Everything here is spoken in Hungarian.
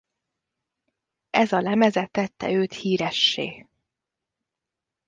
Ez a lemeze tette őt híressé.